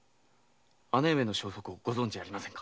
姉上の消息ご存じありませんか？